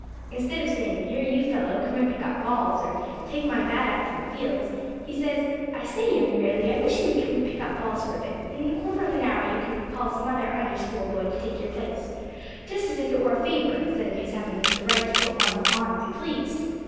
Instead of saying, 'Here, you fellow, come and pick up balls,' or, 'Take my bat up to fields,' he says, 'I say, young Fairlie, I wish you would come and pick up balls for a bit, and in a quarter of an hour you can call some other Under School boy to take your place,' just as if it were a favour, instead of his having the right to put one on if he pleased.